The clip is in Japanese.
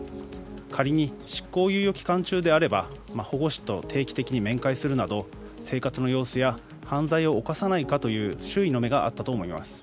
仮に執行猶予期間中であれば保護司と定期的に面会するなど生活の様子や犯罪を犯さないかなどの周囲の目があったと思います。